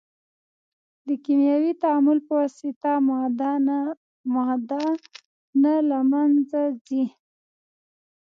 د کیمیاوي تعامل په واسطه ماده نه له منځه ځي.